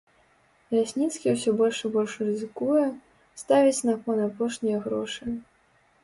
Лясніцкі ўсё больш і больш рызыкуе, ставіць на кон апошнія грошы.